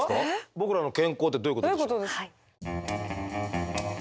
僕らの健康ってどういうことですか？